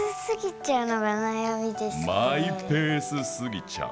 マイペース過ぎちゃう。